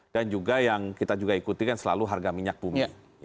dan juga yang kita juga ikuti kan selalu harga minyak bumi